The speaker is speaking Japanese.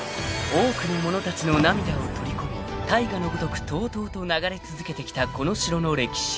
［多くの者たちの涙を取り込み大河のごとくとうとうと流れ続けてきたこの城の歴史］